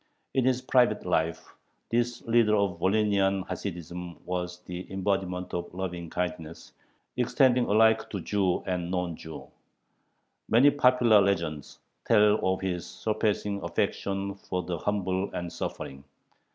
In his private life this leader of Volhynian Hasidism was the embodiment of lovingkindness, extending alike to Jew and non Jew. Many popular legends tell of his surpassing affection for the humble and suffering.